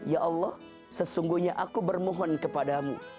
ya allah sesungguhnya aku bermohon kepadamu